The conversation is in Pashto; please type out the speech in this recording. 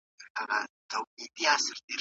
موږ د خپل هېواد تاريخي ابدات ساتل.